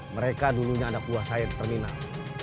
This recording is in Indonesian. mereka dulunya ada kuasa yang terminal